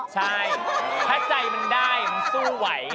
ใช่